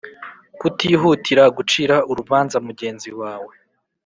Kutihutira gucira urubanza mugenzi wawe